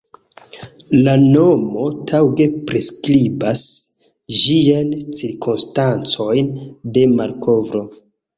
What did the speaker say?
La nomo taŭge priskribas ĝiajn cirkonstancojn de malkovro.